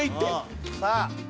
さあ！